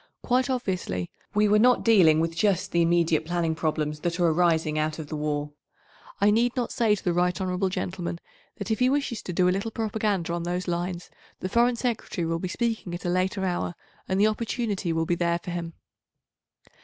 Quite obviously we were not dealing with just the immediate planning problems that are arising out of the war. I need not say to the right hon. Gentleman that if he wishes to do a little propaganda on those lines, the Foreign Secretary will be speaking at a later hour and the opportunity will be there for him.